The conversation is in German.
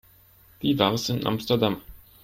Wie war's in Amsterdam?